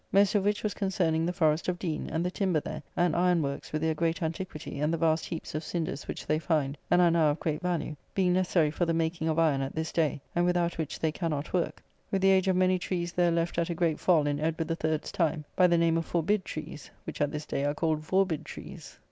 Most of which was concerning the Forest of Dean, and the timber there, and iron workes with their great antiquity, and the vast heaps of cinders which they find, and are now of great value, being necessary for the making of iron at this day; and without which they cannot work: with the age of many trees there left at a great fall in Edward the Third's time, by the name of forbid trees, which at this day are called vorbid trees.